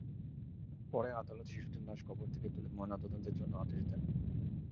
পরে আদালত শিশুটির লাশ কবর থেকে তুলে ময়নাতদন্তের জন্য আদেশ দেন।